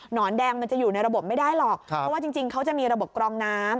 อนแดงมันจะอยู่ในระบบไม่ได้หรอกเพราะว่าจริงเขาจะมีระบบกรองน้ำ